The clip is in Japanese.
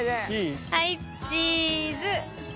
はいチーズ！